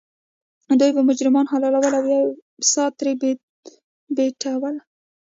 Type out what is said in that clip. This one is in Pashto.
دوی به مجرمان حلالول او یا یې سا ترې بیټوله.